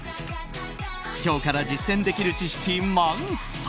今日から実践できる知識満載！